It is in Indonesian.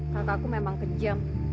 kakakku memang kejam